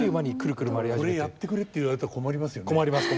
「これやってくれ」って言われても困りますよね？